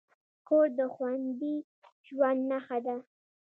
کور د خوندي ژوند نښه ده.